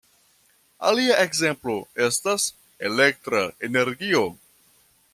Alia ekzemplo estas elektra energio.